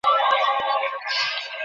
ওলির কাছে পিস্তল আছে না?